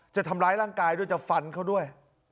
จะทำร้ายร่างกายด้วยจะฟันเขาด้วย